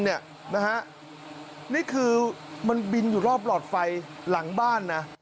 นี่คือมันบินอยู่รอบหลอดไฟหลังบ้านนะ